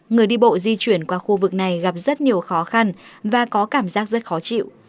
người đi bộ di chuyển qua khu vực này gặp rất nhiều khó khăn và có cảm giác rất khó chịu